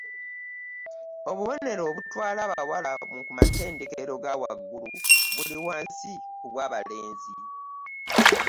Obubonero obutwala abawala ku matendekero agawaggulu buli wansi ku bw'abalenzi.